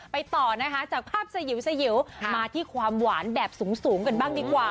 ไปต่อจากภาพสายิวมาที่ความหวานแบบสูงกันบ้างดีกว่า